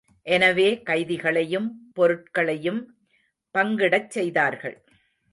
எனவே கைதிகளையும் பொருட்களையும் பங்கிடச் செய்தார்கள்.